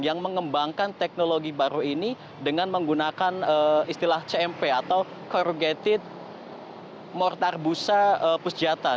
yang mengembangkan teknologi baru ini dengan menggunakan istilah cmp atau corrugated mortar busa pusjatan